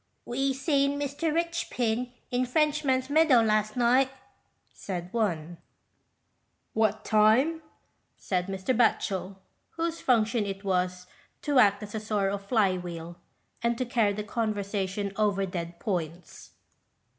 "We seen Mr. Richpin in Frenchman's Meadow last night," said one. "What time?" said Mr. Batchel, whose function it was to act as a sort of fly wheel, and to carry the conversation over dead points.